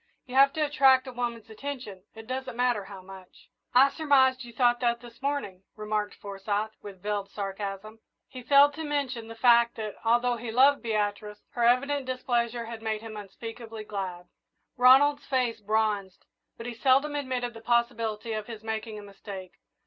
You have to attract a woman's attention it doesn't much matter how." "I surmised you thought that this morning," remarked Forsyth, with veiled sarcasm. He failed to mention the fact that, although he loved Beatrice, her evident displeasure had made him unspeakably glad. Ronald's face bronzed, but he seldom admitted the possibility of his making a mistake.